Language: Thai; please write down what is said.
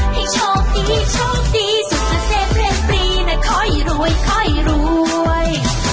ให้โชคดีโชคดีสุขเกษตรเรียนปรีนะค่อยรวยค่อยรวย